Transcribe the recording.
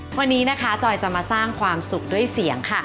วันนี้นะคะจอยจะมาสร้างความสุขด้วยเสียงค่ะ